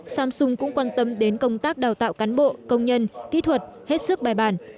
samsung cũng quan tâm đến công tác đào tạo cán bộ công nhân kỹ thuật hết sức bài bản